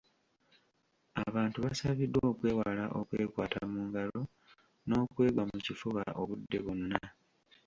Abantu basabiddwa okwewala okwekwata mu ngalo n'okwegwa mu kifuba obudde bwonna.